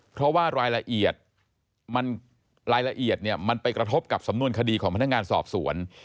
เพราะว่ารายละเอียดมันไปกระทบกับสำนวนคดีของพนักงานสอบสวน